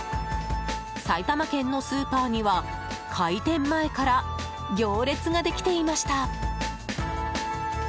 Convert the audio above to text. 埼玉県のスーパーには開店前から行列ができていました。